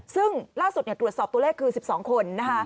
ซึ่งล่าสุดเนี่ยตรวจสอบตัวเลขคือ๑๒คนนะฮะ